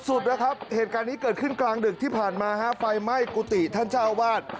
สุดนะครับเหตุการณ์นี้เกิดขึ้นกลางดึกที่ผ่านมาฮะไฟไหม้กุฏิท่านเจ้าวาด